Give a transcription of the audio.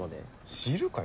知るかよ！